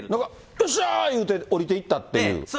よっしゃー言うて、降りていったっていう？